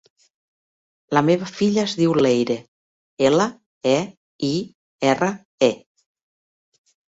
La meva filla es diu Leire: ela, e, i, erra, e.